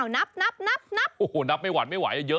นับนับไม่หวานไม่ไหวเยอะ